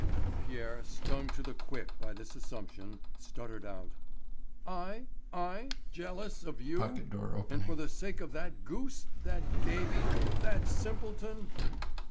Pierre, stung to the quick by this assumption, stuttered out: "I? I? Jealous of you? And for the sake of that goose, that gaby, that simpleton?"